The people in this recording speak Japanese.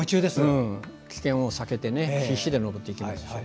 危険を避けて必死で登っていきます。